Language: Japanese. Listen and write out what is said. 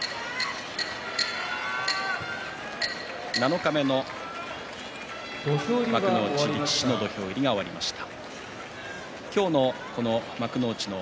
七日目の幕内力士の土俵入りが終わりました。